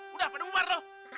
sudah pada bubar tuh